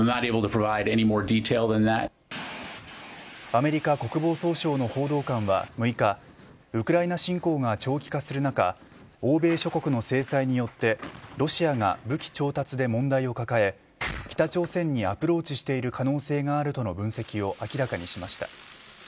アメリカ国防総省の報道官は６日ウクライナ侵攻が長期化する中欧米諸国の制裁によってロシアが武器調達で問題を抱え北朝鮮にアプローチしている可能性があるとの分析を明らかにしました。